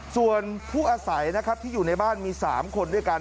ส่วนผู้อาศัยนะครับที่อยู่ในบ้านมี๓คนด้วยกัน